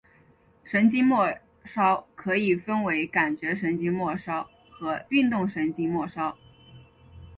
神经末梢可以分为感觉神经末梢和运动神经末梢。